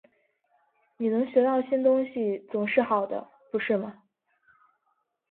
你能学到新东西总是好的，不是吗?